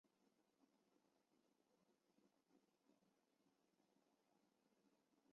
上海静安香格里拉大酒店网址